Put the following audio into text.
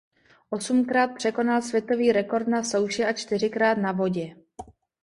Osmkrát překonal světový rekord na souši a čtyřikrát na vodě.